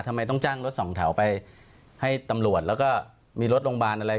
ทำไมต้องจ้างรถสองแถวไปให้ตำรวจแล้วก็มีรถโรงพยาบาลอะไร